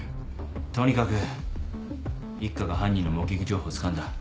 とにかく一課が犯人の目撃情報をつかんだ。